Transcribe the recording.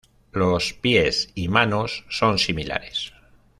Los pies y manos son similares.